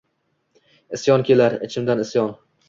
Isyon kelar, ichimdan isyon